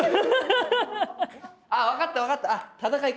ああわかったわかった！